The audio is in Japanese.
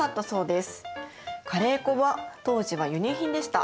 カレー粉は当時は輸入品でした。